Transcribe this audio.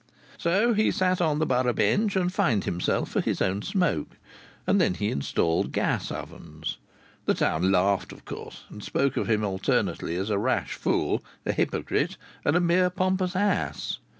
So he sat on the borough bench and fined himself for his own smoke, and then he installed gas ovens. The town laughed, of course, and spoke of him alternately as a rash fool, a hypocrite, and a mere pompous ass.